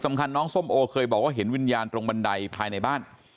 น้องส้มโอเคยบอกว่าเห็นวิญญาณตรงบันไดภายในบ้าน